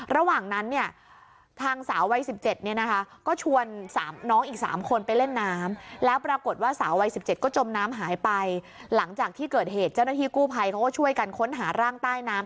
เกิดเหตุเจ้าหน้าที่กู้ภัยก็ช่วยกันค้นหาร่างใต้น้ำ